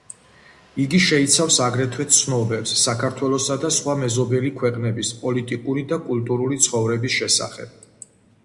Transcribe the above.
იგი შეიცავს აგრეთვე ცნობებს საქართველოსა და სხვა მეზობელი ქვეყნების პოლიტიკური და კულტურული ცხოვრების შესახებ.